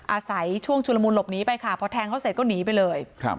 อาศัยช่วงชุลมูลหลบหนีไปค่ะพอแทงเขาเสร็จก็หนีไปเลยครับ